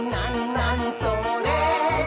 なにそれ？」